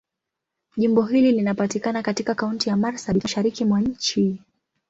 Jimbo hili linapatikana katika Kaunti ya Marsabit, Mashariki mwa nchi.